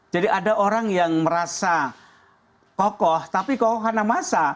jadi ada orang yang merasa kokoh tapi kokoh karena massa